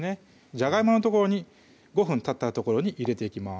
じゃがいものところに５分たったところに入れていきます